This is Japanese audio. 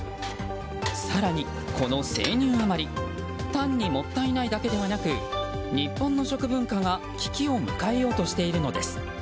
更に、この生乳余り単にもったいないだけではなく日本の食文化が危機を迎えようとしているのです。